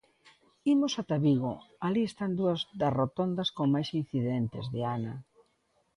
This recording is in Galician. Imos ata Vigo, alí están dúas das rotondas con máis incidentes, Diana...